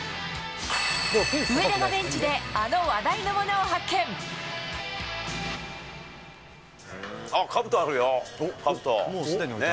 上田がベンチであの話題のものをあっ、かぶとあるよ、かぶと。